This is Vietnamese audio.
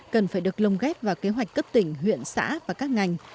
cần phải được lồng ghép vào kế hoạch cấp tỉnh huyện xã và các ngành